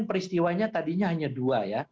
peristiwanya tadinya hanya dua ya